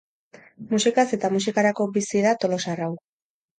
Musikaz eta musikarako bizi da tolosar hau.